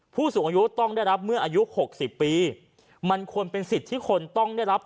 ผู้สูงอายุต้องได้รับเมื่ออายุหกสิบปีมันควรเป็นสิทธิ์ที่คนต้องได้รับ